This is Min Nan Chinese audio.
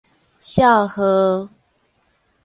少昊